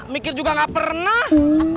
mikir juga gak pernah